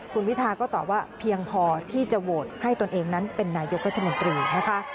คุณวิทาก็ตอบว่าเพียงพอที่จะโหวตให้ตนเองนั้นเป็นนายกรัฐมนตรีนะคะ